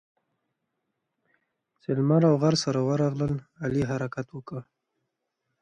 چې لمر او غر سره ورغلل؛ علي حرکت وکړ.